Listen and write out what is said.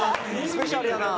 「スペシャルやな」